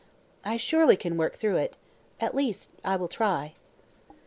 I surely can work through it at least I will try."